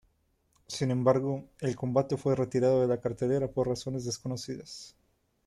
Sin embargo, el combate fue retirado de la cartelera por razones desconocidas.